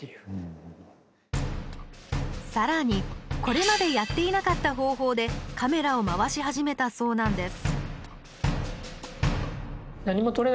さらに、これまでやっていなかった方法でカメラを回し始めたそうなんです。